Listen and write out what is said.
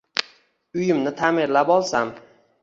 Uyimni ta’mirlab olsam…